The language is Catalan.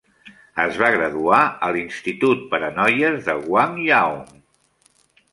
Es va graduar a l'institut per a noies de Gwangyoung.